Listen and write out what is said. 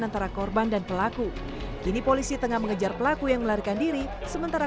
antara korban dan pelaku kini polisi tengah mengejar pelaku yang melarikan diri sementara